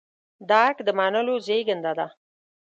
درک د منلو زېږنده ده.